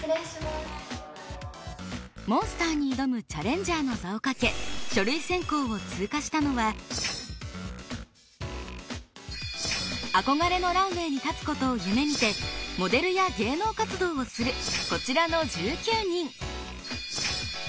モンスターに挑むチャレンジャーの座をかけ憧れのランウェイに立つ事を夢見てモデルや芸能活動をするこちらの１９人。